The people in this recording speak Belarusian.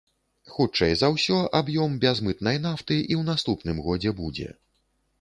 Хутчэй за ўсё, аб'ём бязмытнай нафты і ў наступным годзе будзе.